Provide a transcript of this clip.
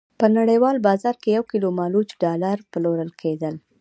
په نړیوال بازار کې یو کیلو مالوچ ډالر پلورل کېدل.